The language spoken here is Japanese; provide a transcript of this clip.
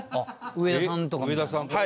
上田さんとか？